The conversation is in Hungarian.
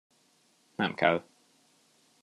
Nem kell.